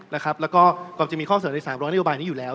แล้วก็กว่าจะมีข้อเสริมในสามร้อยนิวบายนี้อยู่แล้ว